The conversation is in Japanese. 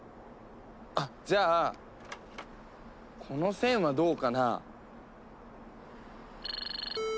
あっじゃあこの線はどうかな。